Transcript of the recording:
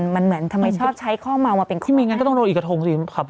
มันเหมือนทำไมชอบใช้ข้องเมามาเป็นของ